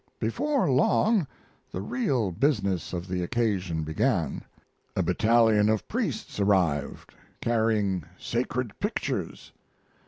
Before long the real business of the occasion began. A battalion of priests arrived carrying sacred pictures.